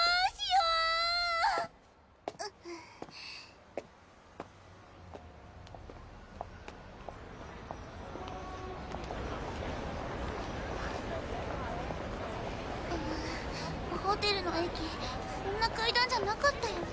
ううホテルの駅こんな階段じゃなかったよね。